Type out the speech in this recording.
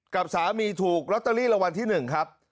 กับสามีถูกลอตเตอรี่รางวัลที่๑ครับ